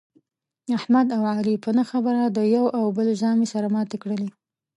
احمد او علي په نه خبره د یوه او بل زامې سره ماتې کړلې.